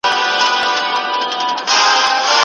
د عدالت تامين به د ټولني تلپاتې دنده وي.